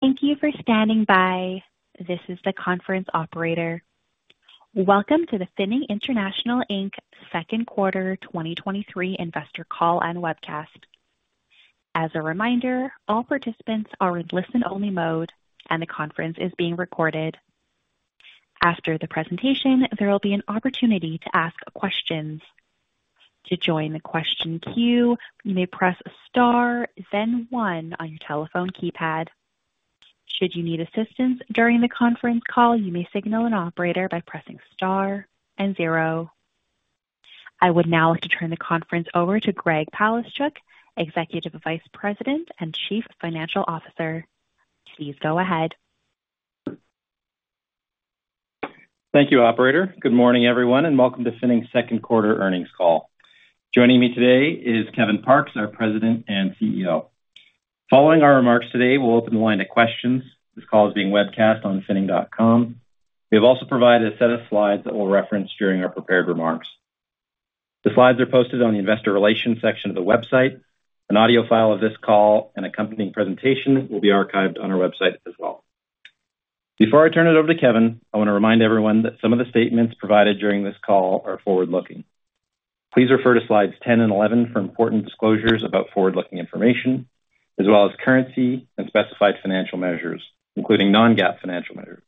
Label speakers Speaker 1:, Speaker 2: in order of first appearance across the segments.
Speaker 1: Thank you for standing by. This is the conference operator. Welcome to the Finning International Inc.'s second quarter 2023 investor call and webcast. As a reminder, all participants are in listen-only mode, and the conference is being recorded. After the presentation, there will be an opportunity to ask questions. To join the question queue, you may press star then one on your telephone keypad. Should you need assistance during the conference call, you may signal an operator by pressing star and zero. I would now like to turn the conference over to Greg Palaschuk, Executive Vice President and Chief Financial Officer. Please go ahead.
Speaker 2: Thank you, operator. Good morning, everyone, and welcome to Finning's 2nd quarter earnings call. Joining me today is Kevin Parkes, our President and CEO. Following our remarks today, we'll open the line of questions. This call is being webcast on finning.com. We have also provided a set of slides that we'll reference during our prepared remarks. The slides are posted on the Investor Relations section of the website. An audio file of this call and accompanying presentation will be archived on our website as well. Before I turn it over to Kevin, I want to remind everyone that some of the statements provided during this call are forward-looking. Please refer to slides 10 and 11 for important disclosures about forward-looking information, as well as currency and specified financial measures, including non-GAAP financial measures.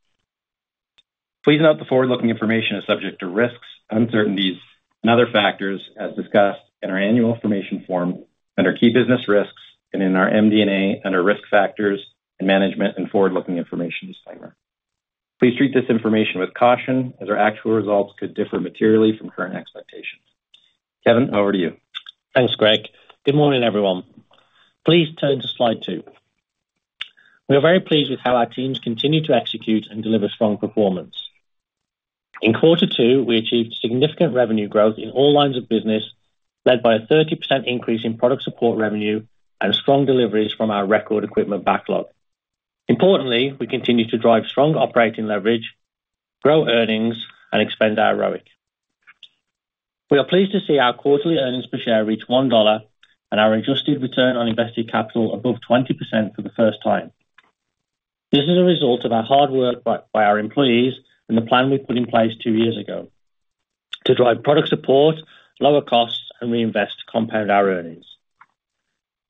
Speaker 2: Please note the forward-looking information is subject to risks, uncertainties, and other factors as discussed in our annual information form under key business risks and in our MD&A under Risk Factors and Management and forward-looking information disclaimer. Please treat this information with caution, as our actual results could differ materially from current expectations. Kevin, over to you.
Speaker 3: Thanks, Greg. Good morning, everyone. Please turn to slide 2. We are very pleased with how our teams continue to execute and deliver strong performance. In quarter 2, we achieved significant revenue growth in all lines of business, led by a 30% increase in product support revenue and strong deliveries from our record equipment backlog. Importantly, we continue to drive strong operating leverage, grow earnings, and expand our ROIC. We are pleased to see our quarterly earnings per share reach 1 dollar and our adjusted return on invested capital above 20% for the first time. This is a result of our hard work by our employees and the plan we put in place two years ago to drive product support, lower costs, and reinvest to compound our earnings.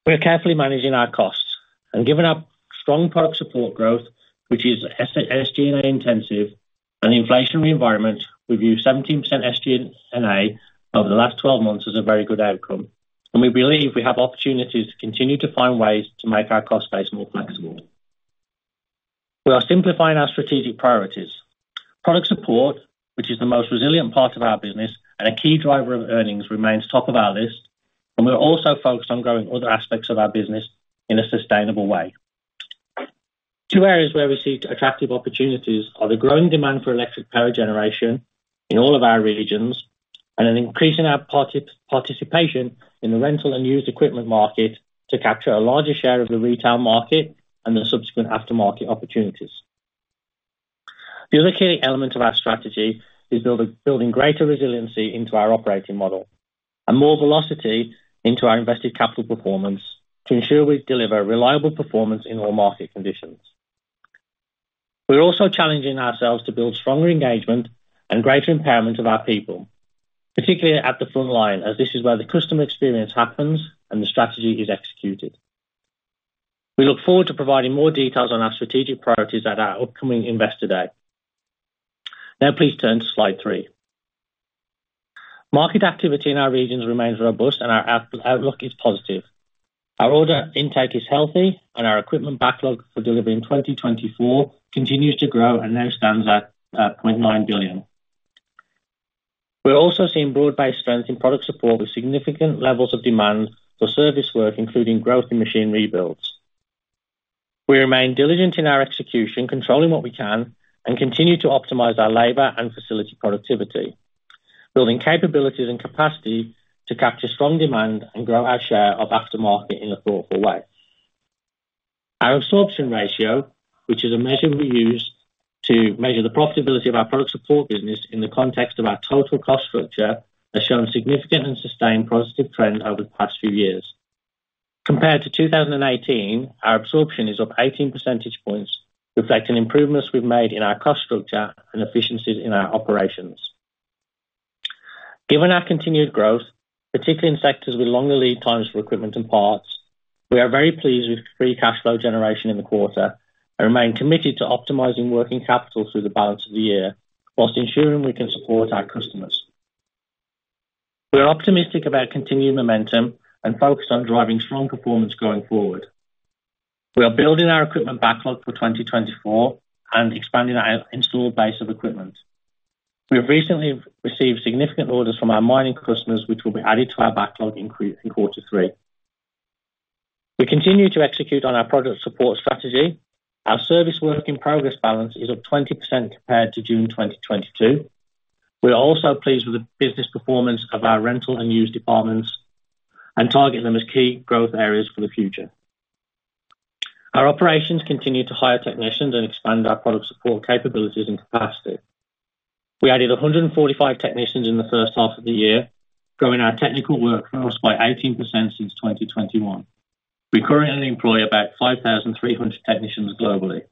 Speaker 3: We are carefully managing our costs and given our strong product support growth, which is SG&A intensive and the inflationary environment, we view 17% SG&A over the last 12 months as a very good outcome, and we believe we have opportunities to continue to find ways to make our cost base more flexible. We are simplifying our strategic priorities. Product support, which is the most resilient part of our business and a key driver of earnings, remains top of our list, and we're also focused on growing other aspects of our business in a sustainable way. Two areas where we see attractive opportunities are the growing demand for electric power generation in all of our regions and an increase in our participation in the rental and used equipment market to capture a larger share of the retail market and the subsequent aftermarket opportunities. The other key element of our strategy is building, building greater resiliency into our operating model and more velocity into our invested capital performance to ensure we deliver reliable performance in all market conditions. We're also challenging ourselves to build stronger engagement and greater empowerment of our people, particularly at the frontline, as this is where the customer experience happens and the strategy is executed. We look forward to providing more details on our strategic priorities at our upcoming Investor Day. Please turn to slide 3. Market activity in our regions remains robust and our outlook is positive. Our order intake is healthy and our equipment backlog for delivery in 2024 continues to grow and now stands at 0.9 billion. We're also seeing broad-based strength in product support with significant levels of demand for service work, including growth in machine rebuilds. We remain diligent in our execution, controlling what we can, and continue to optimize our labor and facility productivity, building capabilities and capacity to capture strong demand and grow our share of aftermarket in a thoughtful way. Our absorption ratio, which is a measure we use to measure the profitability of our product support business in the context of our total cost structure, has shown significant and sustained positive trend over the past few years. Compared to 2018, our absorption is up 18 percentage points, reflecting improvements we've made in our cost structure and efficiencies in our operations. Given our continued growth, particularly in sectors with longer lead times for equipment and parts, we are very pleased with free cash flow generation in the quarter and remain committed to optimizing working capital through the balance of the year whilst ensuring we can support our customers. We are optimistic about continuing momentum and focused on driving strong performance going forward. We are building our equipment backlog for twenty twenty-four and expanding our installed base of equipment. We have recently received significant orders from our mining customers, which will be added to our backlog increase in quarter three. We continue to execute on our product support strategy. Our service work in progress balance is up 20% compared to June twenty twenty-two. We are also pleased with the business performance of our rental and used departments and target them as key growth areas for the future. Our operations continue to hire technicians and expand our product support capabilities and capacity. We added 145 technicians in the first half of the year, growing our technical workforce by 18% since twenty twenty-one. We currently employ about 5,300 technicians globally.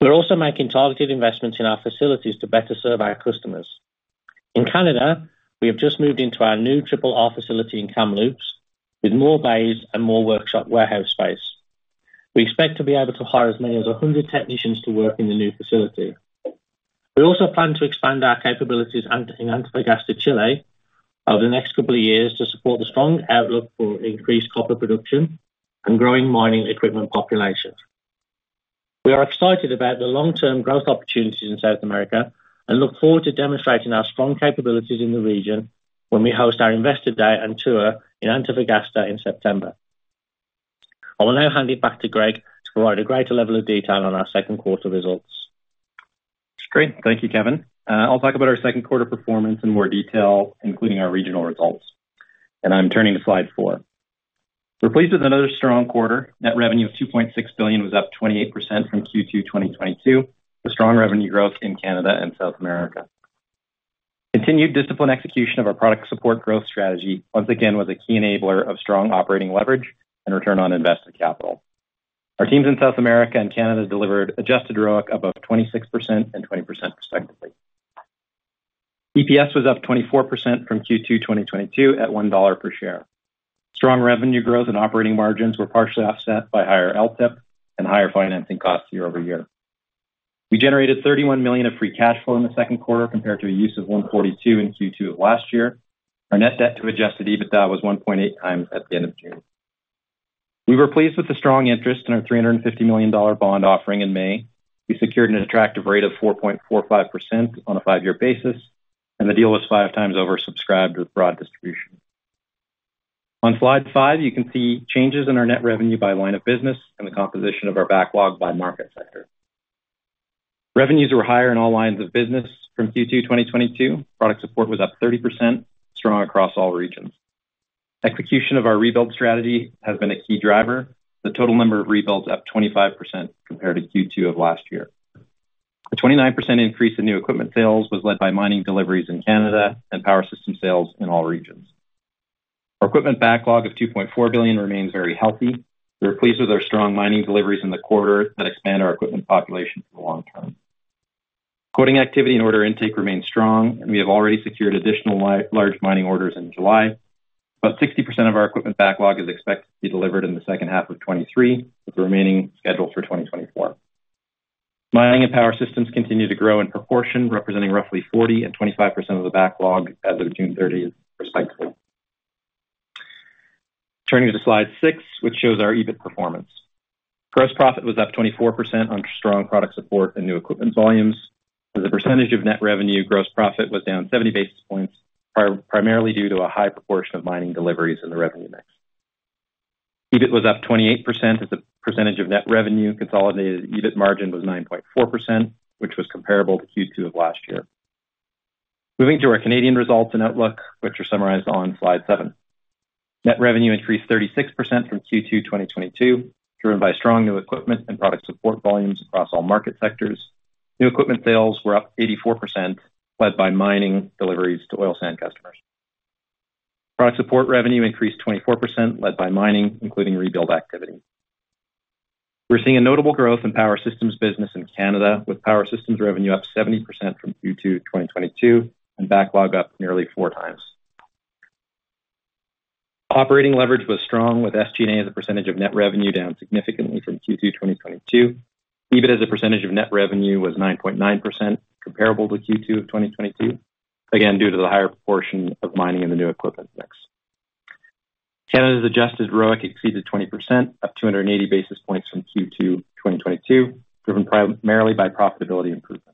Speaker 3: We're also making targeted investments in our facilities to better serve our customers. In Canada, we have just moved into our new 3R facility in Kamloops, with more bays and more workshop warehouse space. We expect to be able to hire as many as 100 technicians to work in the new facility. We also plan to expand our capabilities in Antofagasta, Chile, over the next couple of years to support the strong outlook for increased copper production and growing mining equipment populations. We are excited about the long-term growth opportunities in South America, and look forward to demonstrating our strong capabilities in the region when we host our Investor Day and tour in Antofagasta in September. I will now hand it back to Greg to provide a greater level of detail on our second quarter results.
Speaker 2: Great. Thank you, Kevin. I'll talk about our second quarter performance in more detail, including our regional results. I'm turning to slide four. We're pleased with another strong quarter. Net revenue of 2.6 billion was up 28% from Q2 2022, with strong revenue growth in Canada and South America. Continued disciplined execution of our product support growth strategy, once again, was a key enabler of strong operating leverage and return on invested capital. Our teams in South America and Canada delivered adjusted ROIC above 26% and 20%, respectively. EPS was up 24% from Q2 2022, at 1 dollar per share. Strong revenue growth and operating margins were partially offset by higher LTIP and higher financing costs year-over-year. We generated 31 million of free cash flow in the second quarter, compared to a use of 142 million in Q2 of last year. Our net debt to adjusted EBITDA was 1.8 times at the end of June. We were pleased with the strong interest in our 350 million dollar bond offering in May. We secured an attractive rate of 4.45% on a 5-year basis, and the deal was 5 times oversubscribed with broad distribution. On slide 5, you can see changes in our net revenue by line of business and the composition of our backlog by market sector. Revenues were higher in all lines of business from Q2 2022. Product support was up 30%, strong across all regions. Execution of our rebuild strategy has been a key driver. The total number of rebuilds up 25% compared to Q2 of last year. The 29% increase in new equipment sales was led by mining deliveries in Canada and power system sales in all regions. Our equipment backlog of $2.4 billion remains very healthy. We're pleased with our strong mining deliveries in the quarter that expand our equipment population for the long term. Quoting activity and order intake remains strong. We have already secured additional large mining orders in July. About 60% of our equipment backlog is expected to be delivered in the second half of 2023, with the remaining scheduled for 2024. Mining and power systems continue to grow in proportion, representing roughly 40% and 25% of the backlog as of June 30th, respectively. Turning to slide 6, which shows our EBIT performance. Gross profit was up 24% on strong product support and new equipment volumes. As a percentage of net revenue, gross profit was down 70 basis points, primarily due to a high proportion of mining deliveries in the revenue mix. EBIT was up 28%. As a percentage of net revenue, consolidated EBIT margin was 9.4%, which was comparable to Q2 of last year. Moving to our Canadian results and outlook, which are summarized on slide 7. Net revenue increased 36% from Q2 2022, driven by strong new equipment and product support volumes across all market sectors. New equipment sales were up 84%, led by mining deliveries to oil sands customers. Product support revenue increased 24%, led by mining, including rebuild activity. We're seeing a notable growth in power systems business in Canada, with power systems revenue up 70% from Q2 2022, and backlog up nearly 4 times. Operating leverage was strong, with SG&A, as a percentage of net revenue, down significantly from Q2 2022. EBIT, as a percentage of net revenue, was 9.9%, comparable to Q2 of 2022, again, due to the higher proportion of mining in the new equipment mix. Canada's adjusted ROIC exceeded 20%, up 280 basis points from Q2 2022, driven primarily by profitability improvements.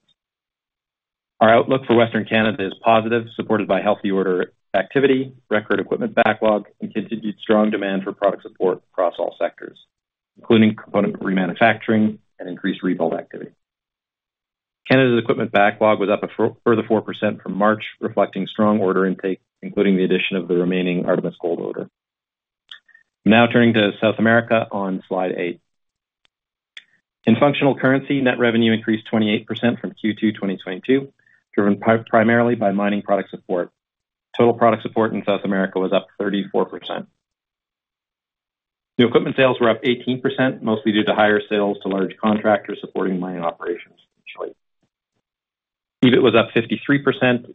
Speaker 2: Our outlook for Western Canada is positive, supported by healthy order activity, record equipment backlog and continued strong demand for product support across all sectors, including component remanufacturing and increased rebuild activity. Canada's equipment backlog was up further 4% from March, reflecting strong order intake, including the addition of the remaining Artemis Gold order. Turning to South America on slide 8. In functional currency, net revenue increased 28% from Q2 2022, driven primarily by mining product support. Total product support in South America was up 34%. New equipment sales were up 18%, mostly due to higher sales to large contractors supporting mining operations in Chile. EBIT was up 53%,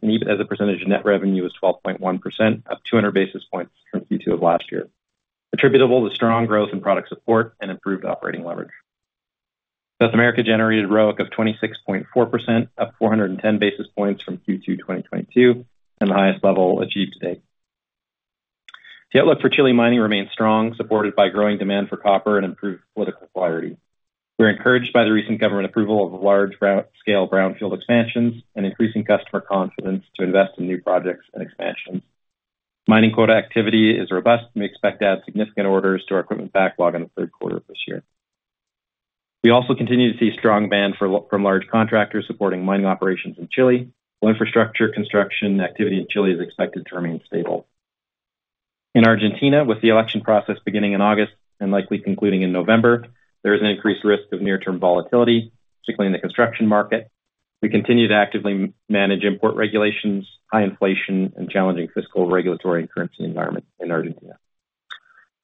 Speaker 2: and EBIT as a percentage of net revenue, was 12.1%, up 200 basis points from Q2 of last year, attributable to strong growth in product support and improved operating leverage. South America generated ROIC of 26.4%, up 410 basis points from Q2 2022, and the highest level achieved to date. The outlook for Chile mining remains strong, supported by growing demand for copper and improved political clarity. We're encouraged by the recent government approval of large-scale brownfield expansions and increasing customer confidence to invest in new projects and expansions. Mining quota activity is robust. We expect to add significant orders to our equipment backlog in the third quarter of this year. We also continue to see strong demand from large contractors supporting mining operations in Chile, while infrastructure construction activity in Chile is expected to remain stable. In Argentina, with the election process beginning in August and likely concluding in November, there is an increased risk of near-term volatility, particularly in the construction market. We continue to actively manage import regulations, high inflation and challenging fiscal, regulatory, and currency environment in Argentina.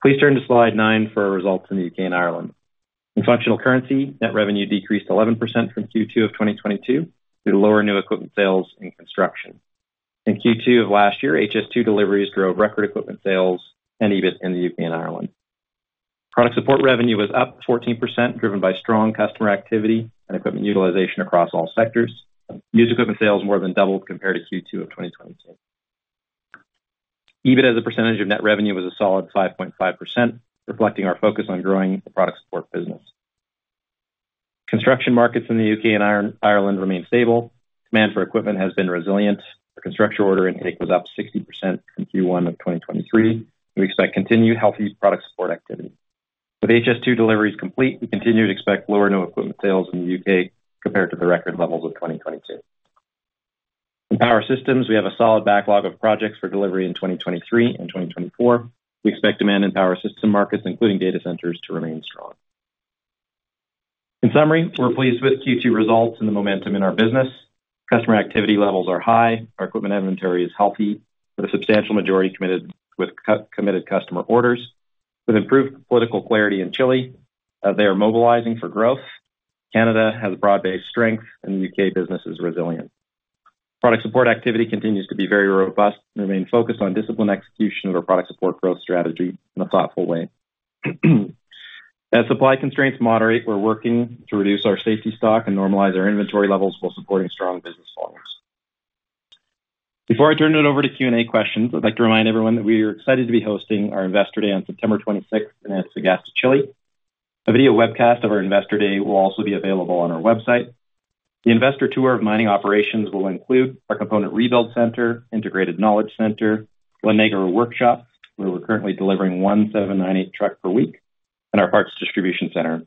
Speaker 2: Please turn to slide 9 for our results in the UK and Ireland. In functional currency, net revenue decreased 11% from Q2 of 2022 due to lower new equipment sales and construction. In Q2 of last year, HS2 deliveries drove record equipment sales and EBIT in the UK and Ireland. Product support revenue was up 14%, driven by strong customer activity and equipment utilization across all sectors. Used equipment sales more than doubled compared to Q2 of 2022. EBIT as a percentage of net revenue, was a solid 5.5%, reflecting our focus on growing the product support business. Construction markets in the UK and Ireland remain stable. Demand for equipment has been resilient. Our construction order intake was up 60% from Q1 of 2023. We expect continued healthy product support activity. With HS2 deliveries complete, we continue to expect lower new equipment sales in the UK compared to the record levels of 2022. In power systems, we have a solid backlog of projects for delivery in 2023 and 2024. We expect demand in power system markets, including data centers, to remain strong. In summary, we're pleased with Q2 results and the momentum in our business. Customer activity levels are high. Our equipment inventory is healthy, with a substantial majority committed with committed customer orders. With improved political clarity in Chile, they are mobilizing for growth. Canada has a broad-based strength, and the UK business is resilient. Product support activity continues to be very robust and remain focused on disciplined execution of our product support growth strategy in a thoughtful way. As supply constraints moderate, we're working to reduce our safety stock and normalize our inventory levels while supporting strong business volumes. Before I turn it over to Q&A questions, I'd like to remind everyone that we are excited to be hosting our Investor Day on September 26th in Antofagasta, Chile. A video webcast of our Investor Day will also be available on our website. The investor tour of mining operations will include our Component Rebuild Center, Integrated Knowledge Center, Glennara Workshop, where we're currently delivering 1,798 truck per week, and our parts distribution center.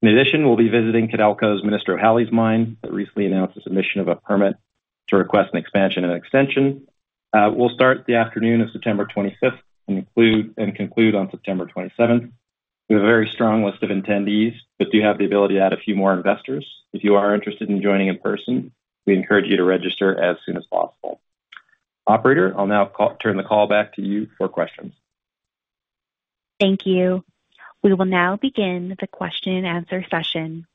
Speaker 2: In addition, we'll be visiting Codelco's Ministro Hales mine, that recently announced the submission of a permit to request an expansion and extension. We'll start the afternoon of September 25th and include, and conclude on September 27th. We have a very strong list of attendees, but do have the ability to add a few more investors. If you are interested in joining in person, we encourage you to register as soon as possible. Operator, I'll now turn the call back to you for questions.
Speaker 1: Thank you. We will now begin the question and answer session.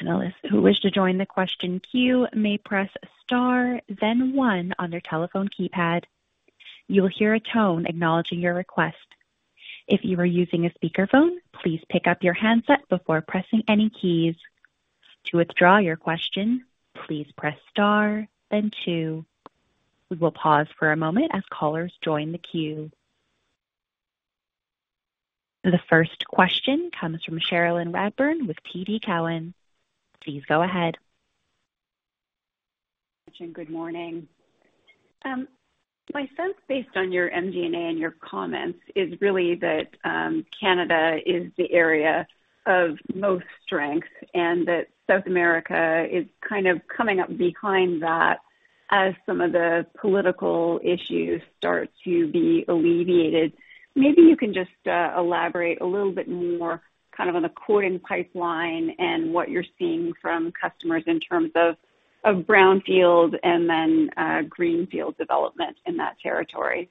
Speaker 1: Analysts who wish to join the question queue may press star then 1 on their telephone keypad. You will hear a tone acknowledging your request. If you are using a speakerphone, please pick up your handset before pressing any keys. To withdraw your question, please press star then 2. We will pause for a moment as callers join the queue. The first question comes from Cherilyn Radbourne with TD Cowen. Please go ahead.
Speaker 4: Good morning. My sense, based on your MD&A and your comments, is really that Canada is the area of most strength and that South America is kind of coming up behind that as some of the political issues start to be alleviated. Maybe you can just elaborate a little bit more, kind of on the coding pipeline and what you're seeing from customers in terms of, of brownfield and then greenfield development in that territory.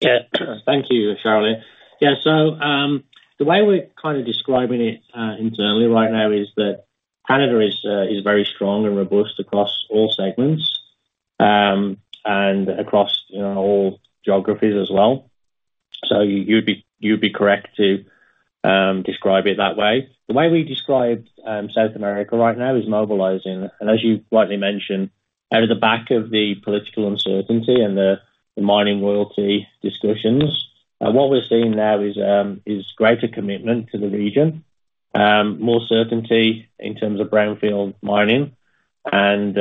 Speaker 2: Yeah. Thank you, Cherrilyn. Yeah, the way we're kind of describing it internally right now is that Canada is very strong and robust across all segments, and across, you know, all geographies as well. You'd be, you'd be correct to describe it that way. The way we describe South America right now is mobilizing, and as you rightly mentioned, out of the back of the political uncertainty and the, the mining royalty discussions. What we're seeing now is greater commitment to the region, more certainty in terms of brownfield mining and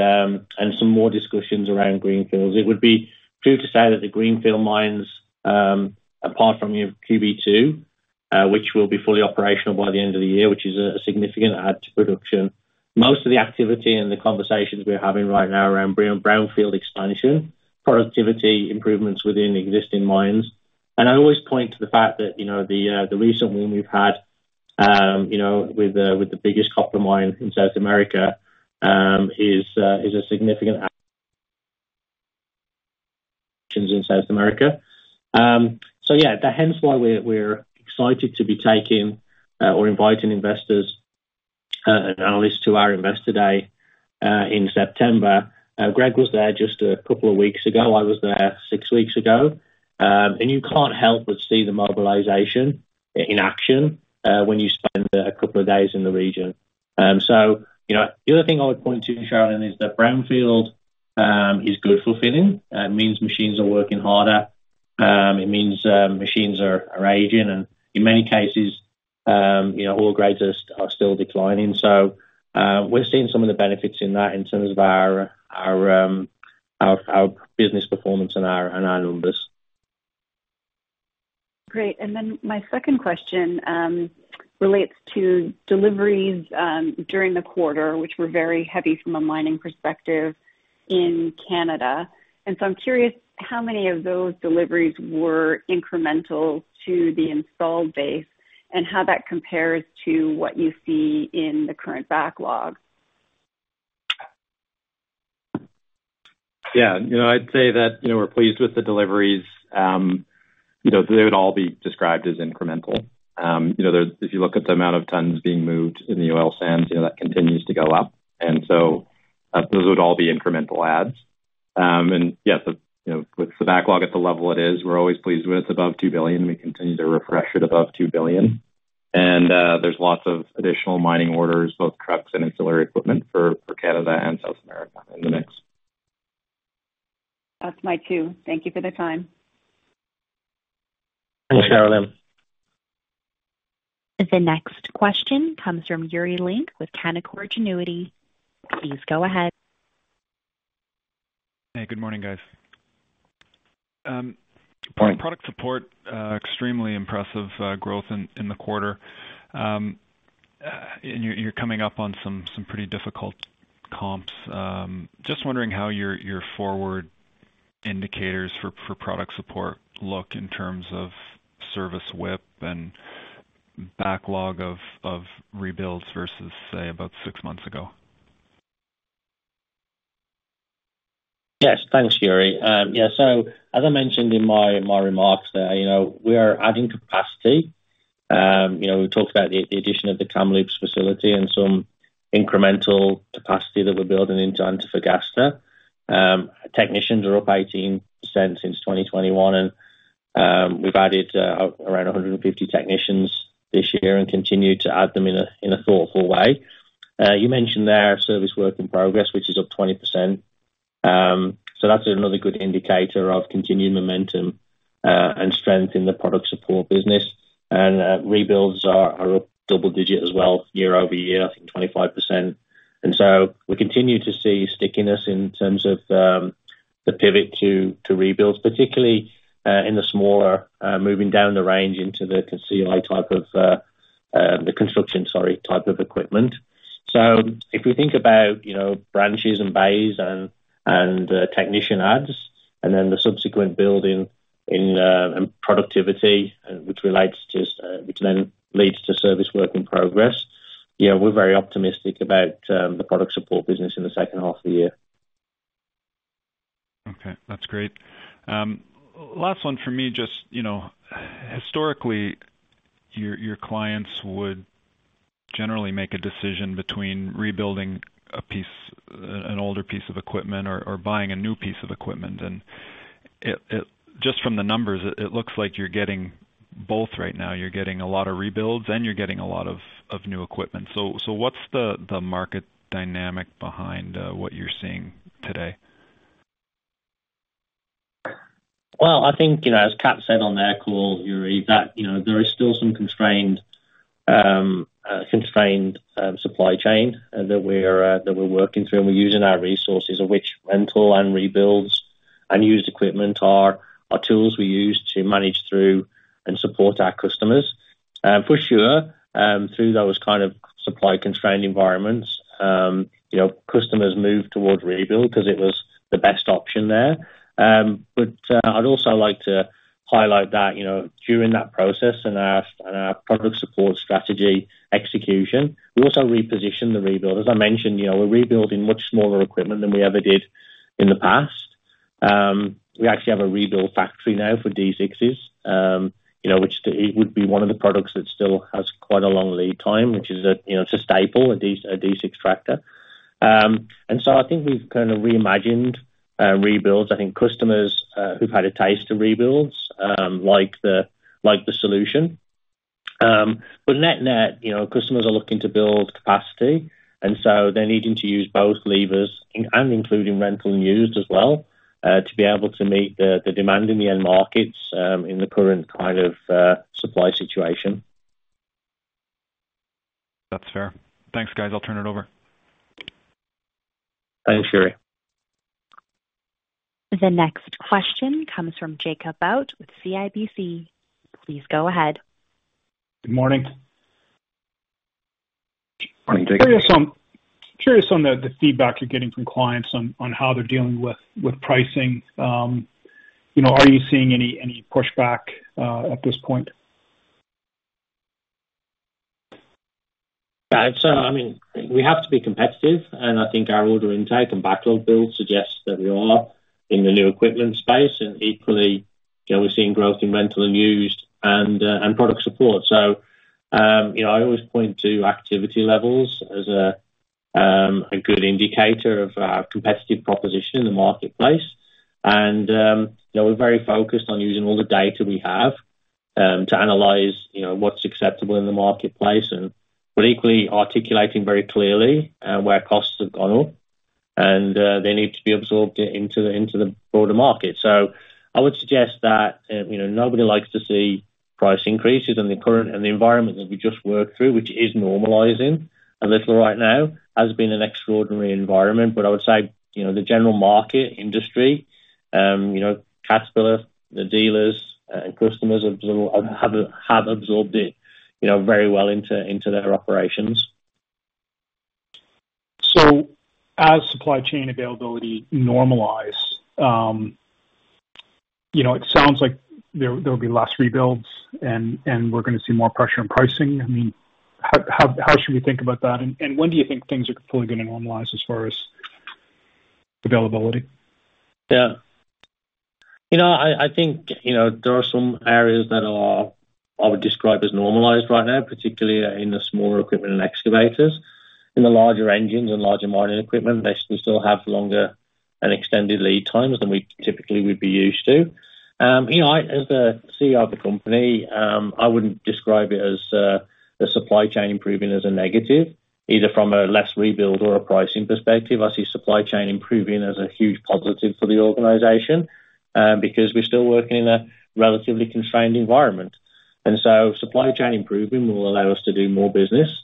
Speaker 2: some more discussions around greenfields. It would be true to say that the greenfield mines, apart from QB2, which will be fully operational by the end of the year, which is a significant add to production. Most of the activity and the conversations we're having right now around brownfield expansion, productivity improvements within the existing mines. I always point to the fact that, you know, the recent one we've had, you know, with the biggest copper mine in South America, is a significant in South America. Yeah, hence why we're excited to be taking or inviting investors and analysts to our Investor Day in September. Greg was there just a couple of weeks ago. I was there six weeks ago. You can't help but see the mobilization in action when you spend a couple of days in the region. You know, the other thing I would point to, Sherrilyn, is that brownfield is good for Finning. It means machines are working harder, it means machines are, are aging and in many cases, you know, all grades are still declining. We're seeing some of the benefits in that in terms of our, our, our, our business performance and our, and our numbers....
Speaker 4: Great. My second question relates to deliveries during the quarter, which were very heavy from a mining perspective in Canada. So I'm curious how many of those deliveries were incremental to the installed base, and how that compares to what you see in the current backlog?
Speaker 2: Yeah. You know, I'd say that, you know, we're pleased with the deliveries. You know, they would all be described as incremental. You know, there, if you look at the amount of tons being moved in the oil sands, you know, that continues to go up, and so, those would all be incremental adds. Yeah, the, you know, with the backlog at the level it is, we're always pleased with above 2 billion. We continue to refresh it above 2 billion. There's lots of additional mining orders, both trucks and ancillary equipment for, for Canada and South America in the mix.
Speaker 4: That's my two. Thank you for the time.
Speaker 3: Thanks, Carolyn.
Speaker 1: The next question comes from Yuri Lynk with Canaccord Genuity. Please go ahead.
Speaker 5: Hey, good morning, guys.
Speaker 3: Morning.
Speaker 5: Product support, extremely impressive, growth in, in the quarter. You're, you're coming up on some, some pretty difficult comps. Just wondering how your, your forward indicators for, for product support look in terms of service whip and backlog of, of rebuilds versus, say, about six months ago?
Speaker 3: Yes, thanks, Yuri. Yeah, as I mentioned in my, my remarks there, you know, we are adding capacity. You know, we talked about the, the addition of the Kamloops facility and some incremental capacity that we're building in to Augusta. Technicians are up 18% since 2021, and we've added around 150 technicians this year and continue to add them in a, in a thoughtful way. You mentioned there service work in progress, which is up 20%. That's another good indicator of continued momentum and strength in the product support business. Rebuilds are, are up double digit as well, year-over-year, I think 25%. So we continue to see stickiness in terms of the pivot to, to rebuilds, particularly in the smaller, moving down the range into the GCI type of the construction, sorry, type of equipment. So if we think about, you know, branches and bays and, and technician adds, and then the subsequent building in and productivity, which relates to which then leads to service work in progress, yeah, we're very optimistic about the product support business in the second half of the year.
Speaker 5: Okay, that's great. Last one for me, just, you know, historically, your, your clients would generally make a decision between rebuilding a piece, an older piece of equipment or, or buying a new piece of equipment, and it, it, just from the numbers, it looks like you're getting both right now. You're getting a lot of rebuilds, and you're getting a lot of, of new equipment. What's the, the market dynamic behind what you're seeing today?
Speaker 3: I think, you know, as Cat said on their call, Yuri, that, you know, there is still some constrained, constrained supply chain that we're that we're working through, and we're using our resources, of which rental and rebuilds and used equipment are, are tools we use to manage through and support our customers. For sure, through those kind of supply constrained environments, you know, customers move towards rebuild because it was the best option there. I'd also like to highlight that, you know, during that process and our, and our product support strategy execution, we also reposition the rebuild. As I mentioned, you know, we're rebuilding much smaller equipment than we ever did in the past. We actually have a rebuild factory now for D6s, you know, which it would be one of the products that still has quite a long lead time, which is a, you know, it's a staple, a D, a D6 tractor. I think we've kind of reimagined rebuilds. I think customers who've had a taste of rebuilds like the, like the solution. Net-net, you know, customers are looking to build capacity, and so they're needing to use both levers and including rental and used as well, to be able to meet the, the demand in the end markets, in the current kind of, supply situation.
Speaker 5: That's fair. Thanks, guys. I'll turn it over.
Speaker 3: Thanks, Yuri.
Speaker 1: The next question comes from Jacob Bout with CIBC. Please go ahead.
Speaker 6: Good morning.
Speaker 3: Morning, Jacob.
Speaker 6: Curious on, curious on the, the feedback you're getting from clients on, on how they're dealing with, with pricing. You know, are you seeing any, any pushback, at this point?
Speaker 3: I mean, we have to be competitive, and I think our order intake and backlog build suggests that we are in the new equipment space, and equally, you know, we're seeing growth in rental and used and product support. You know, I always point to activity levels as a good indicator of our competitive proposition in the marketplace. You know, we're very focused on using all the data we have to analyze, you know, what's acceptable in the marketplace and, but equally articulating very clearly where costs have gone up, and they need to be absorbed into the, into the broader market. I would suggest that, you know, nobody likes to see price increases in the current, in the environment that we just worked through, which is normalizing a little right now, has been an extraordinary environment. I would say, you know, the general market industry, you know, Caterpillar, the dealers and customers have absorbed it, you know, very well into, into their operations.
Speaker 6: As supply chain availability normalizes, you know, it sounds like there will be less rebuilds and we're gonna see more pressure in pricing. I mean, how should we think about that? When do you think things are fully gonna normalize as far as availability?
Speaker 3: Yeah. You know, I, I think, you know, there are some areas that are, I would describe as normalized right now, particularly in the smaller equipment and excavators. In the larger engines and larger mining equipment, they still have longer and extended lead times than we typically would be used to. You know, I, as the CEO of the company, I wouldn't describe it as the supply chain improving as a negative, either from a less rebuild or a pricing perspective. I see supply chain improving as a huge positive for the organization because we're still working in a relatively constrained environment. Supply chain improving will allow us to do more business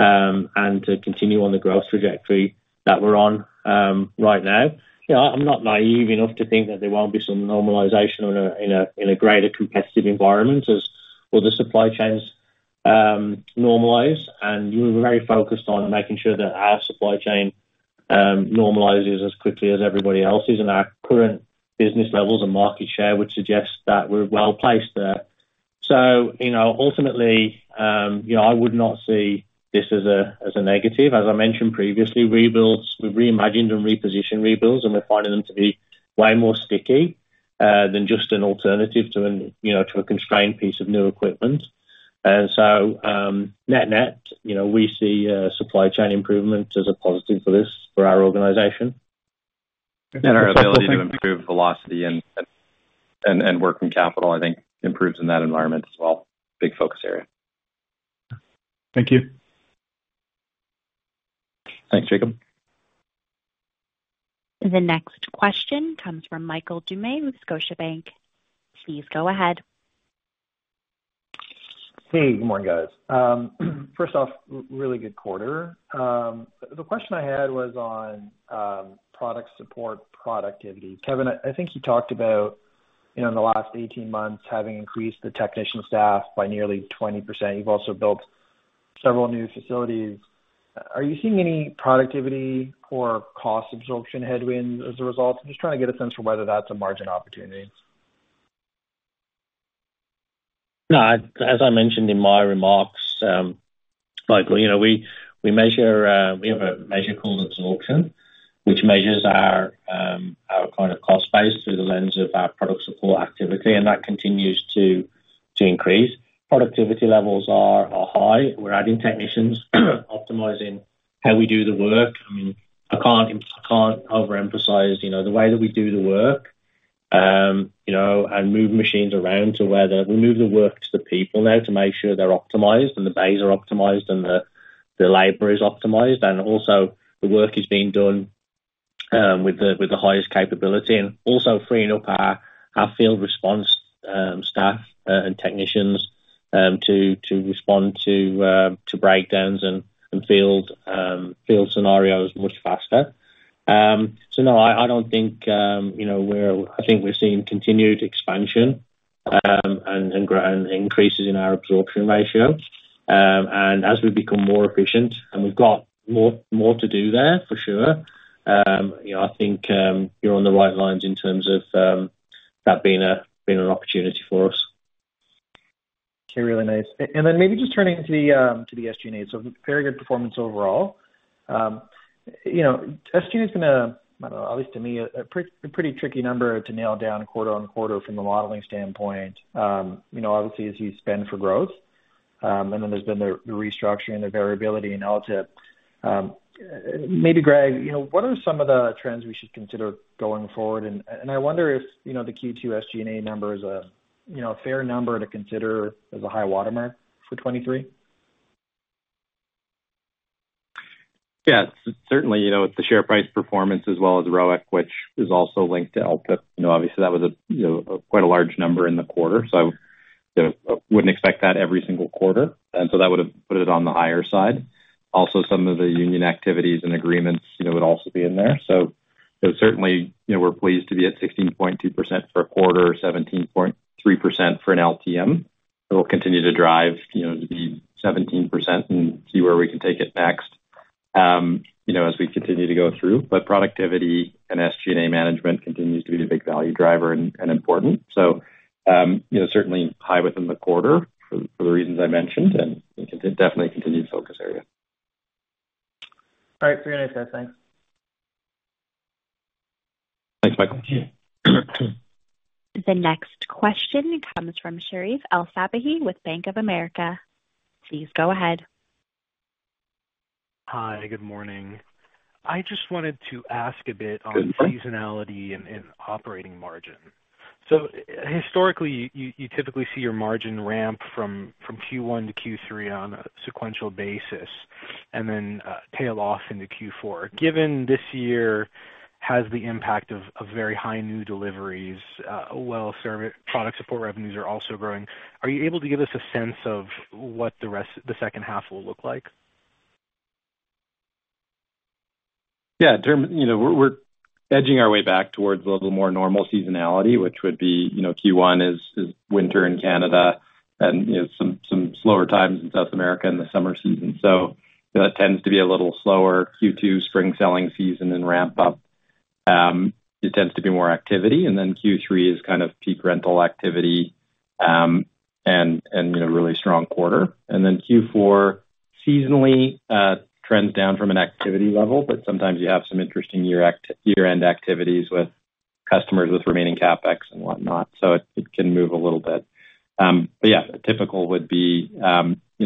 Speaker 3: and to continue on the growth trajectory that we're on right now. You know, I'm not naive enough to think that there won't be some normalization on a, in a, in a greater competitive environment as all the supply chains normalize, and we're very focused on making sure that our supply chain normalizes as quickly as everybody else's. Our current business levels and market share would suggest that we're well placed there. You know, ultimately, you know, I would not see this as a, as a negative. As I mentioned previously, rebuilds, we've reimagined and repositioned rebuilds, and we're finding them to be way more sticky than just an alternative to an, you know, to a constrained piece of new equipment. Net-net, you know, we see supply chain improvement as a positive for this, for our organization.
Speaker 2: Our ability to improve velocity and working capital, I think, improves in that environment as well. Big focus area.
Speaker 6: Thank you.
Speaker 2: Thanks, Jacob.
Speaker 1: The next question comes from Michael Doumet with Scotiabank. Please go ahead.
Speaker 7: Hey, good morning, guys. First off, really good quarter. The question I had was on product support, productivity. Kevin, I, I think you talked about, you know, in the last 18 months, having increased the technician staff by nearly 20%. You've also built several new facilities. Are you seeing any productivity or cost absorption headwinds as a result? I'm just trying to get a sense for whether that's a margin opportunity.
Speaker 3: No, as I mentioned in my remarks, like, you know, we, we measure, we have a measure called absorption, which measures our, our kind of cost base through the lens of our product support activity, and that continues to, to increase. Productivity levels are, are high. We're adding technicians, optimizing how we do the work. I mean, I can't I can't overemphasize, you know, the way that we do the work, you know, and move machines around to where the... We move the work to the people now to make sure they're optimized and the bays are optimized and the labor is optimized, and also the work is being done with the highest capability, and also freeing up our field response staff and technicians to respond to breakdowns and field scenarios much faster. No, I, I don't think, you know, I think we're seeing continued expansion and increases in our absorption ratio. As we become more efficient and we've got more to do there, for sure, you know, I think, you're on the right lines in terms of that being an opportunity for us.
Speaker 7: Okay, really nice. And then maybe just turning to the, to the SG&A. Very good performance overall. You know, SG&A has been a, I don't know, at least to me, a pretty tricky number to nail down quarter on quarter from a modeling standpoint. You know, obviously, as you spend for growth, and then there's been the, the restructuring and the variability in LTIP. Maybe, Greg, you know, what are some of the trends we should consider going forward? And I wonder if, you know, the Q2 SG&A number is a, you know, a fair number to consider as a high watermark for 2023.
Speaker 2: Yeah, certainly, you know, with the share price performance as well as ROIC, which is also linked to LTIP, you know, obviously that was a, you know, quite a large number in the quarter. You know, wouldn't expect that every single quarter, and so that would have put it on the higher side. Also, some of the union activities and agreements, you know, would also be in there. Certainly, you know, we're pleased to be at 16.2% for a quarter, 17.3% for an LTM. It'll continue to drive, you know, to be 17% and see where we can take it next, you know, as we continue to go through. Productivity and SG&A management continues to be the big value driver and, and important. You know, certainly high within the quarter for, for the reasons I mentioned, and definitely a continued focus area.
Speaker 7: All right. Very nice, guys. Thanks.
Speaker 2: Thanks, Michael.
Speaker 1: The next question comes from Sherif El-Sabahy with Bank of America. Please go ahead.
Speaker 8: Hi, good morning. I just wanted to ask a bit on-
Speaker 3: Good...
Speaker 8: seasonality and, and operating margin. Historically, you, you typically see your margin ramp from, from Q1 to Q3 on a sequential basis, and then tail off into Q4. Given this year has the impact of, of very high new deliveries, while service, product support revenues are also growing, are you able to give us a sense of what the rest, the second half will look like?
Speaker 2: Yeah, term, you know, we're, we're edging our way back towards a little more normal seasonality, which would be, you know, Q1 is winter in Canada and, you know, some slower times in South America in the summer season. That tends to be a little slower. Q2, spring selling season, and ramp up, it tends to be more activity. Q3 is kind of peak rental activity, and, you know, really strong quarter. Q4 seasonally trends down from an activity level, but sometimes you have some interesting year-end activities with customers with remaining CapEx and whatnot, so it can move a little bit. But yeah, typical would be, you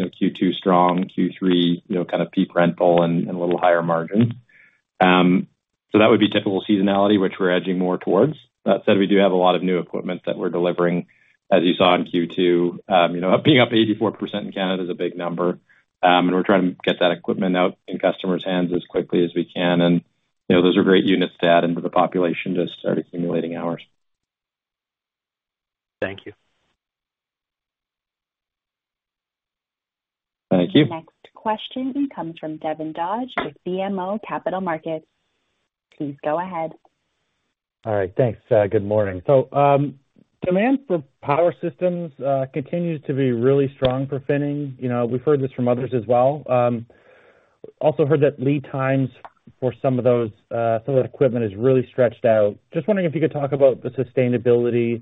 Speaker 2: know, Q2 strong, Q3, you know, kind of peak rental and a little higher margin. That would be typical seasonality, which we're edging more towards. That said, we do have a lot of new equipment that we're delivering, as you saw in Q2. You know, being up 84% in Canada is a big number, and we're trying to get that equipment out in customers' hands as quickly as we can. You know, those are great units to add into the population to start accumulating hours.
Speaker 8: Thank you.
Speaker 2: Thank you.
Speaker 1: Next question comes from Devin Dodge with BMO Capital Markets. Please go ahead.
Speaker 9: All right, thanks. good morning. Demand for power systems continues to be really strong for Finning. You know, we've heard this from others as well. also heard that lead times for some of those some of the equipment is really stretched out. Just wondering if you could talk about the sustainability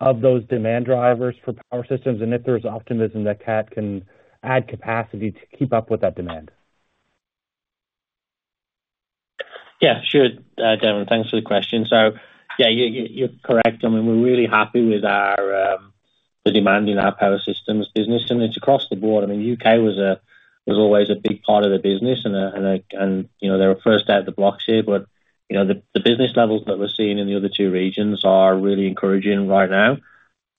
Speaker 9: of those demand drivers for power systems and if there's optimism that Cat can add capacity to keep up with that demand?
Speaker 3: Yeah, sure, Devin. Thanks for the question. Yeah, you're correct. I mean, we're really happy with our, the demand in our power systems business, and it's across the board. I mean, UK was a, was always a big part of the business and, you know, they were first out of the blocks here. You know, the, the business levels that we're seeing in the other two regions are really encouraging right now.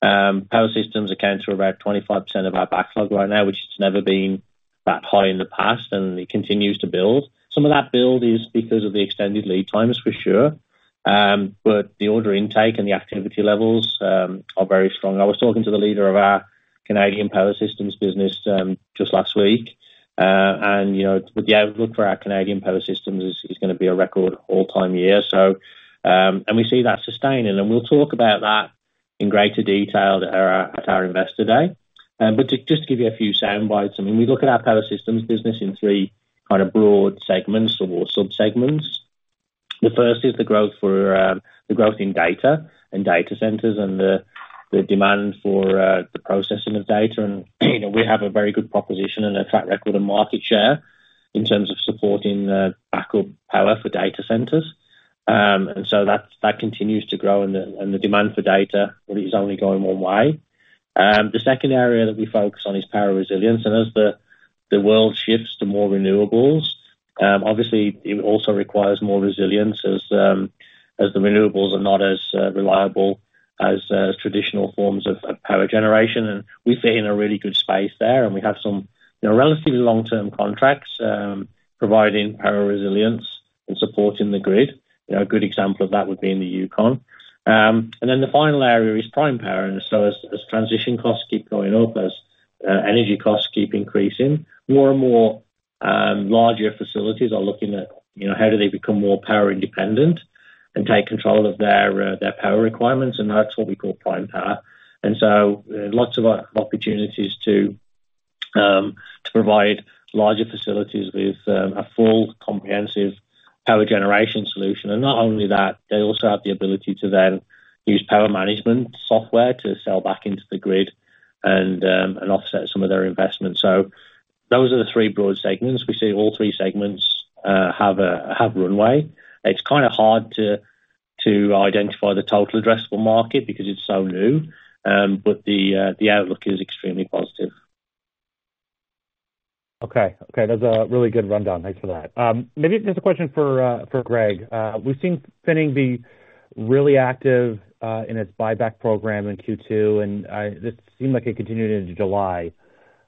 Speaker 3: Power systems account for about 25% of our backlog right now, which has never been that high in the past, and it continues to build. Some of that build is because of the extended lead times, for sure. The order intake and the activity levels are very strong. I was talking to the leader of our Canadian power systems business just last week, you know, the outlook for our Canadian power systems is gonna be a record all-time year. We see that sustaining, and we'll talk about that in greater detail at our Investor Day. To just give you a few soundbites, I mean, we look at our power systems business in 3 kind of broad segments or subsegments. The first is the growth for the growth in data and data centers and the demand for the processing of data. You know, we have a very good proposition and a track record and market share in terms of supporting the backup power for data centers. And so that, that continues to grow and the, and the demand for data really is only going 1 way. The second area that we focus on is power resilience. As the, the world shifts to more renewables, obviously, it also requires more resilience as, as the renewables are not as reliable as traditional forms of power generation. We sit in a really good space there, and we have some, you know, relatively long-term contracts, providing power resilience and supporting the grid. You know, a good example of that would be in the Yukon. Then the final area is prime power. As, as transition costs keep going up, as energy costs keep increasing, more and more larger facilities are looking at, you know, how do they become more power independent and take control of their power requirements, and that's what we call prime power. Lots of opportunities to provide larger facilities with a full comprehensive power generation solution. Not only that, they also have the ability to then use power management software to sell back into the grid and offset some of their investments. Those are the three broad segments. We see all three segments have a runway. It's kind of hard to identify the total addressable market because it's so new, but the outlook is extremely positive.
Speaker 9: Okay. Okay, that's a really good rundown. Thanks for that. Maybe just a question for Greg. We've seen Finning be really active in its buyback program in Q2, and this seemed like it continued into July.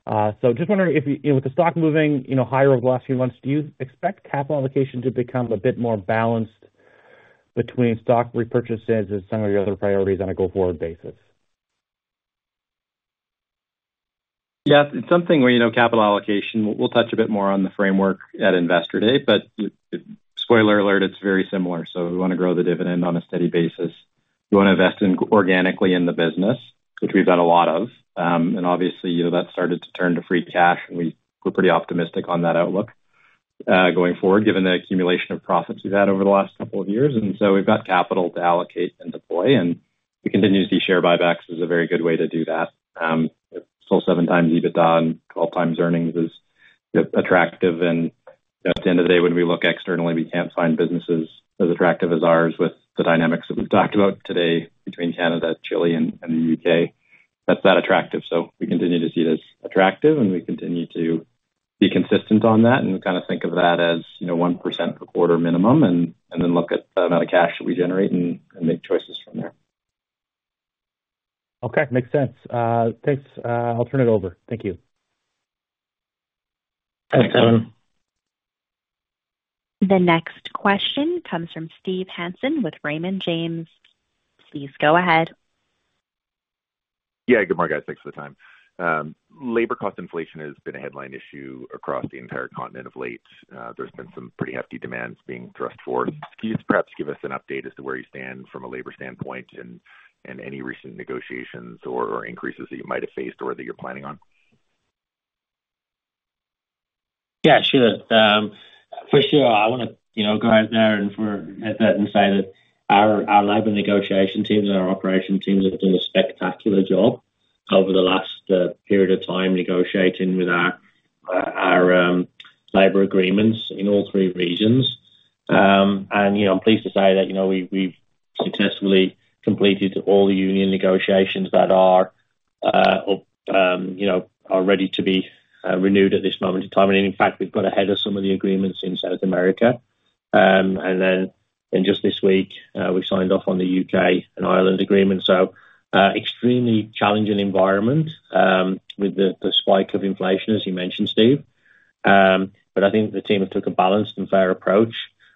Speaker 9: So just wondering if, you know, with the stock moving, you know, higher over the last few months, do you expect capital allocation to become a bit more balanced between stock repurchases and some of your other priorities on a go-forward basis?
Speaker 2: Yeah, it's something where, you know, capital allocation, we'll touch a bit more on the framework at Investor Day, but spoiler alert: it's very similar. We wanna grow the dividend on a steady basis. We wanna invest in organically in the business, which we've done a lot of, and obviously, you know, that started to turn to free cash, and we're pretty optimistic on that outlook, going forward, given the accumulation of profits we've had over the last couple of years. We've got capital to allocate and deploy, and we continue to see share buybacks as a very good way to do that. 7 times EBITDA and 12 times earnings is attractive, and at the end of the day, when we look externally, we can't find businesses as attractive as ours with the dynamics that we've talked about today between Canada, Chile, and, and the UK. That's that attractive. We continue to see this attractive, and we continue to be consistent on that, and we kinda think of that as, you know, 1% per quarter minimum, and, and then look at the amount of cash that we generate and, and make choices from there.
Speaker 9: Okay. Makes sense. Thanks. I'll turn it over. Thank you.
Speaker 2: Thanks, Devin.
Speaker 1: The next question comes from Steve Hansen with Raymond James. Please go ahead....
Speaker 10: Yeah, good morning, guys. Thanks for the time. Labor cost inflation has been a headline issue across the entire continent of late. There's been some pretty hefty demands being thrust forward. Can you perhaps give us an update as to where you stand from a labor standpoint and, and any recent negotiations or, or increases that you might have faced or that you're planning on?
Speaker 3: Yeah, sure. For sure, I wanna, you know, go out there and say that our, our labor negotiation teams and our operation teams have done a spectacular job over the last, period of time, negotiating with our, our, labor agreements in all three regions. You know, I'm pleased to say that, you know, we've, we've successfully completed all the union negotiations that are, you know, are ready to be, renewed at this moment in time. In fact, we've got ahead of some of the agreements in South America. Just this week, we signed off on the UK and Ireland agreement. Extremely challenging environment, with the, the spike of inflation, as you mentioned, Steve. I think the team took a balanced and fair approach,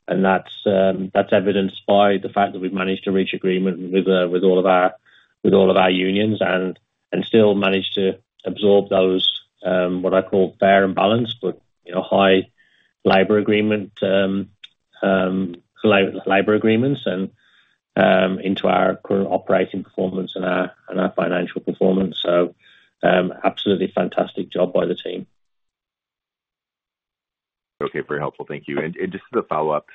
Speaker 3: and that's evidenced by the fact that we've managed to reach agreement with all of our, with all of our unions and, and still managed to absorb those, what I call fair and balanced, but, you know, high labor agreement, labor agreements and into our current operating performance and our, and our financial performance. Absolutely fantastic job by the team.
Speaker 10: Okay, very helpful. Thank you. Just as a follow-up,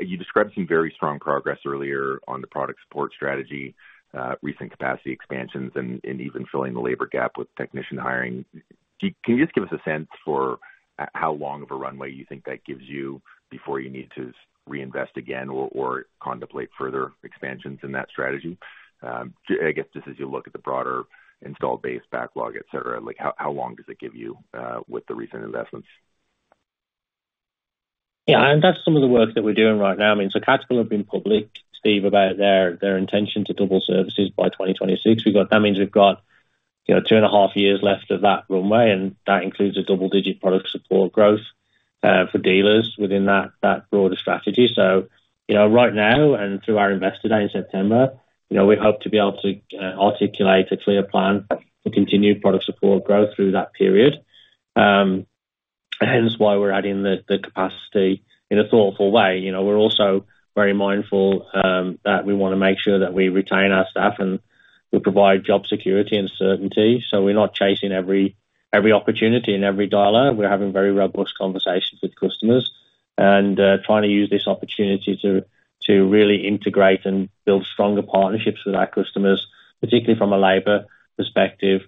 Speaker 10: you described some very strong progress earlier on the product support strategy, recent capacity expansions and, and even filling the labor gap with technician hiring. Can you just give us a sense for how long of a runway you think that gives you before you need to reinvest again or, or contemplate further expansions in that strategy? I guess just as you look at the broader installed base backlog, et cetera, like, how, how long does it give you with the recent investments?
Speaker 3: That's some of the work that we're doing right now. Caterpillar have been public, Steve, about their, their intention to double services by 2026. We've got. That means we've got, you know, 2.5 years left of that runway, and that includes a double-digit product support growth for dealers within that, that broader strategy. You know, right now and through our Investor Day in September, you know, we hope to be able to articulate a clear plan to continue product support growth through that period. Hence why we're adding the, the capacity in a thoughtful way. You know, we're also very mindful that we wanna make sure that we retain our staff, and we provide job security and certainty. We're not chasing every, every opportunity and every dollar. We're having very robust conversations with customers and trying to use this opportunity to really integrate and build stronger partnerships with our customers, particularly from a labor perspective.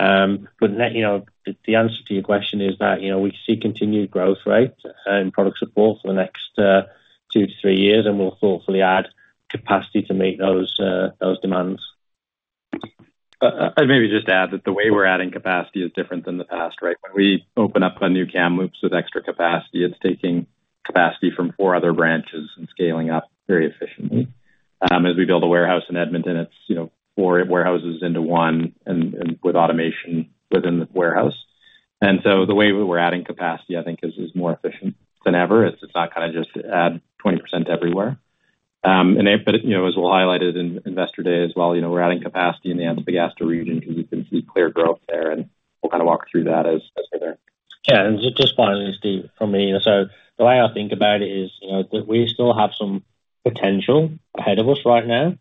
Speaker 3: Let you know, the answer to your question is that, you know, we see continued growth rate in product support for the next 2-3 years, and we'll thoughtfully add capacity to meet those demands.
Speaker 2: I'd maybe just add that the way we're adding capacity is different than the past, right? When we open up a new Kamloops with extra capacity, it's taking capacity from 4 other branches and scaling up very efficiently. As we build a warehouse in Edmonton, it's, you know, 4 warehouses into one and, and with automation within the warehouse. The way we're adding capacity, I think is, is more efficient than ever. It's not kind of just add 20% everywhere. You know, as we'll highlight it in Investor Day as well, you know, we're adding capacity in the Antofagasta region because we can see clear growth there, and we'll kind of walk through that as, as we're there.
Speaker 3: Yeah, just finally, Steve, for me, so the way I think about it is, you know, that we still have some potential ahead of us right now.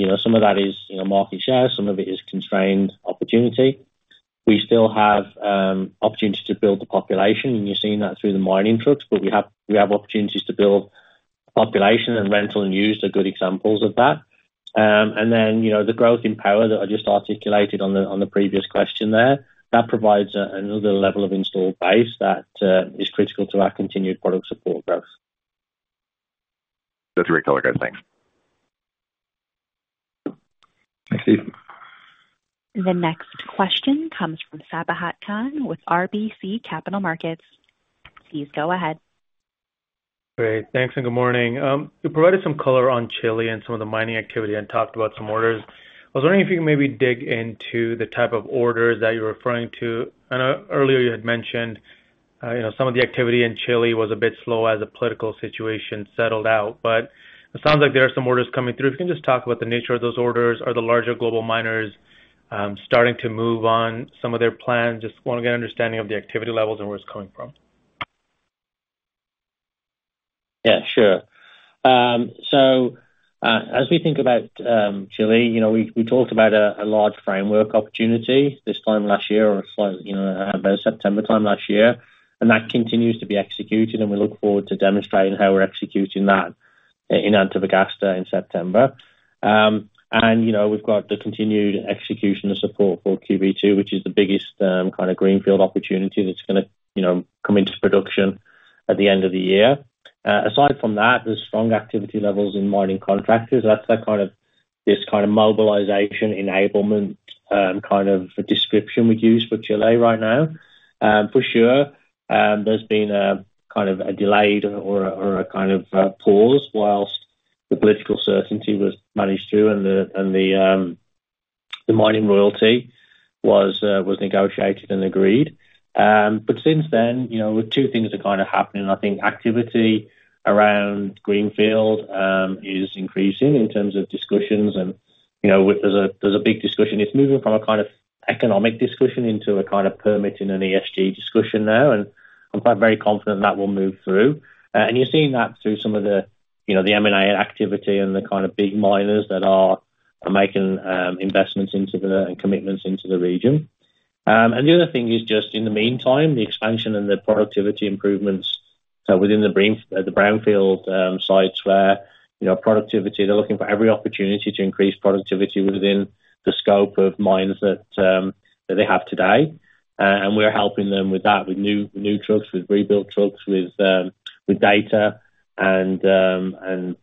Speaker 3: You know, some of that is, you know, market share, some of it is constrained opportunity. We still have opportunity to build the population, and you're seeing that through the mining trucks. We have, we have opportunities to build population, and rental and used are good examples of that. Then, you know, the growth in power that I just articulated on the, on the previous question there, that provides a, another level of installed base that is critical to our continued product support growth.
Speaker 10: That's very clear, guys. Thanks.
Speaker 2: Thanks, Steve.
Speaker 1: The next question comes from Sabahat Khan with RBC Capital Markets. Please go ahead.
Speaker 11: Great. Thanks, and good morning. You provided some color on Chile and some of the mining activity and talked about some orders. I was wondering if you could maybe dig into the type of orders that you're referring to. I know earlier you had mentioned, you know, some of the activity in Chile was a bit slow as the political situation settled out, but it sounds like there are some orders coming through. If you can just talk about the nature of those orders. Are the larger global miners starting to move on some of their plans? Just wanna get an understanding of the activity levels and where it's coming from.
Speaker 3: Yeah, sure. As we think about Chile, you know, we, we talked about a, a large framework opportunity this time last year or so, you know, about September time last year, and that continues to be executed, and we look forward to demonstrating how we're executing that in Antofagasta in September. You know, we've got the continued execution and support for QB2, which is the biggest, kind of greenfield opportunity that's gonna, you know, come into production at the end of the year. Aside from that, there's strong activity levels in mining contractors. That's the kind of, this kind of mobilization, enablement, kind of description we'd use for Chile right now. For sure, there's been a kind of a delayed or, or a kind of a pause whilst the political certainty was managed through and the, and the, the mining royalty.... was negotiated and agreed. Since then, you know, two things are kind of happening. I think activity around Greenfield is increasing in terms of discussions, and, you know, there's a, there's a big discussion. It's moving from a kind of economic discussion into a kind of permit and an ESG discussion now, and I'm quite very confident that will move through. You're seeing that through some of the, you know, the M&A activity and the kind of big miners that are, are making investments into the... and commitments into the region. The other thing is just in the meantime, the expansion and the productivity improvements within the green- the Brownfield sites where, you know, productivity, they're looking for every opportunity to increase productivity within the scope of mines that that they have today. We're helping them with that, with new, new trucks, with rebuilt trucks, with data and and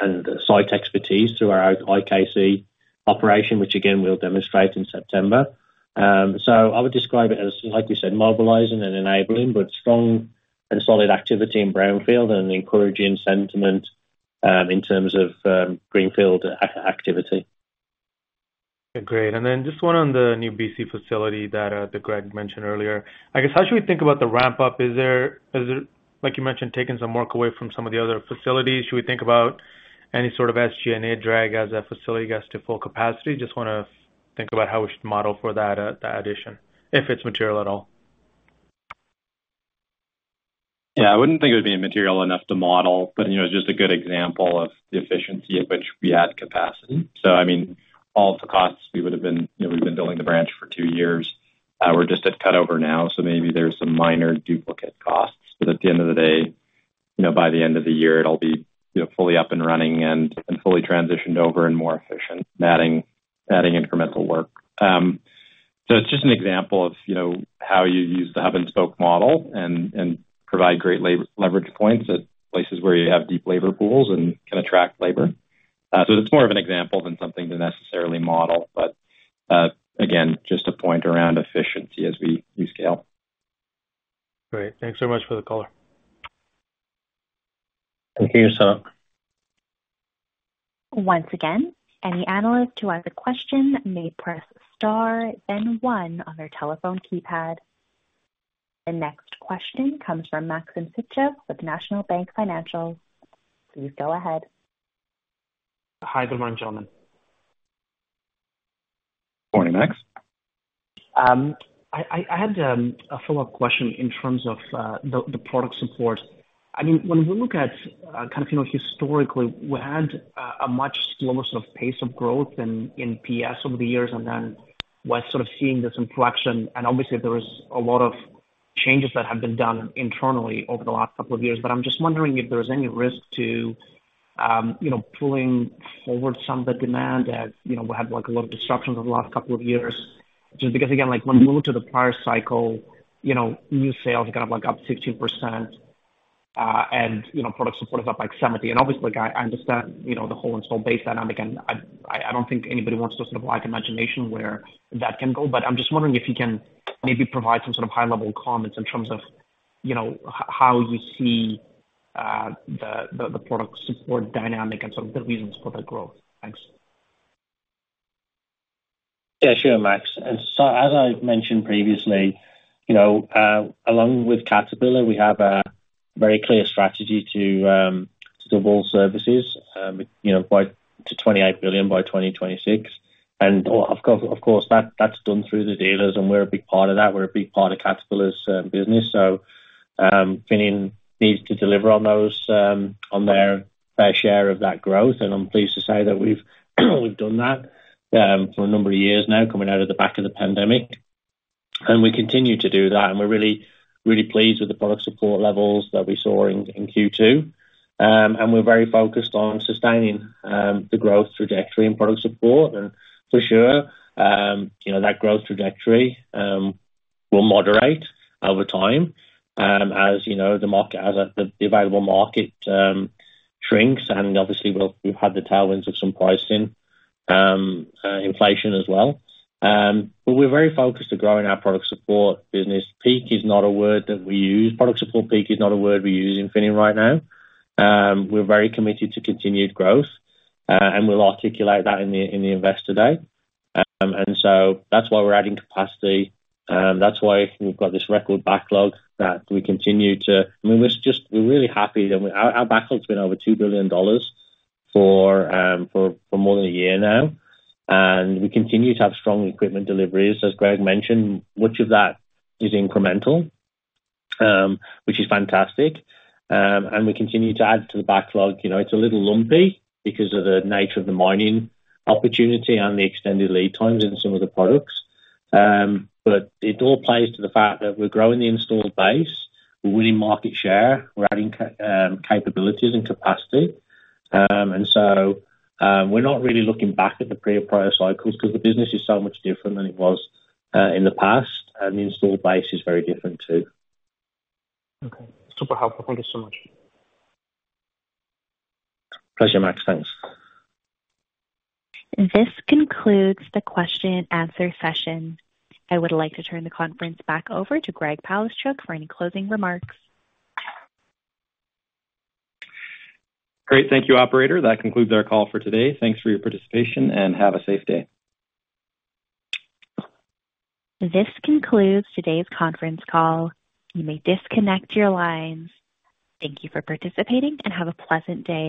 Speaker 3: and site expertise through our IKC operation, which again, we'll demonstrate in September. I would describe it as, like you said, mobilizing and enabling, but strong and solid activity in Brownfield and encouraging sentiment in terms of Greenfield activity.
Speaker 11: Great. Then just one on the new BC facility that, that Greg mentioned earlier. I guess, how should we think about the ramp-up? Is there, is it, like you mentioned, taking some work away from some of the other facilities? Should we think about any sort of SG&A drag as that facility gets to full capacity? Just wanna think about how we should model for that, that addition, if it's material at all.
Speaker 2: Yeah. I wouldn't think it would be material enough to model, but, you know, it's just a good example of the efficiency at which we add capacity. I mean, all of the costs, we would have been, you know, we've been building the branch for 2 years. We're just at cut over now, so maybe there's some minor duplicate costs. At the end of the day, you know, by the end of the year, it'll be, you know, fully up and running and, and fully transitioned over and more efficient, adding, adding incremental work. It's just an example of, you know, how you use the hub and spoke model and, and provide great labor-leverage points at places where you have deep labor pools and can attract labor. It's more of an example than something to necessarily model, but again, just a point around efficiency as we scale.
Speaker 11: Great. Thanks so much for the call.
Speaker 3: Thank you, Sonak.
Speaker 1: Once again, any analyst who has a question may press star then 1 on their telephone keypad. The next question comes from Maxim Sytchev with National Bank Financial. Please go ahead.
Speaker 12: Hi, good morning, gentlemen.
Speaker 2: Morning, Max.
Speaker 12: I, I, I had a follow-up question in terms of the product support. I mean, when we look at kind of, you know, historically, we had a much slower sort of pace of growth in PS over the years and then we're sort of seeing this inflection. And obviously there is a lot of changes that have been done internally over the last couple of years, but I'm just wondering if there's any risk to, you know, pulling forward some of the demand as, you know, we had, like, a lot of disruptions over the last couple of years. Just because, again, like, when we move to the prior cycle, you know, new sales are kind of, like, up 16%, and, you know, product support is up, like, 70. Obviously, like, I understand, you know, the whole installed base dynamic and I, I don't think anybody wants to sort of lack imagination where that can go, but I'm just wondering if you can maybe provide some sort of high-level comments in terms of, you know, how you see, the, the, the product support dynamic and some of the reasons for the growth. Thanks.
Speaker 3: Yeah, sure, Max. As I've mentioned previously, you know, along with Caterpillar, we have a very clear strategy to double services, you know, to 28 billion by 2026. And of course, that's done through the dealers, and we're a big part of that. We're a big part of Caterpillar's business. So Finning needs to deliver on those, on their fair share of that growth, and I'm pleased to say that we've done that for a number of years now, coming out of the back of the pandemic. And we continue to do that, and we're really, really pleased with the product support levels that we saw in Q2. And we're very focused on sustaining the growth trajectory and product support. For sure, you know, that growth trajectory will moderate over time, as, you know, the market, as the, the available market, shrinks. Obviously, we've, we've had the tailwinds of some pricing inflation as well. We're very focused on growing our product support business. Peak is not a word that we use. Product support peak is not a word we use in Finning right now. We're very committed to continued growth, and we'll articulate that in the, in the Investor Day. So that's why we're adding capacity, and that's why we've got this record backlog that we continue to... I mean, we're just- we're really happy that our, our backlog's been over $2 billion for, for, for more than a year now, and we continue to have strong equipment deliveries, as Greg mentioned. Much of that is incremental, which is fantastic. We continue to add to the backlog. You know, it's a little lumpy because of the nature of the mining opportunity and the extended lead times in some of the products. It all plays to the fact that we're growing the installed base, we're winning market share, we're adding capabilities and capacity. We're not really looking back at the pre-prior cycles because the business is so much different than it was in the past, and the installed base is very different, too.
Speaker 12: Okay. Super helpful. Thank you so much.
Speaker 3: Pleasure, Max. Thanks.
Speaker 1: This concludes the question and answer session. I would like to turn the conference back over to Greg Palaschuk for any closing remarks.
Speaker 2: Great. Thank you, operator. That concludes our call for today. Thanks for your participation, and have a safe day.
Speaker 1: This concludes today's conference call. You may disconnect your lines. Thank you for participating, and have a pleasant day.